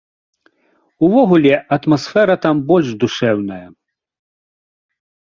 Увогуле, атмасфера там больш душэўная.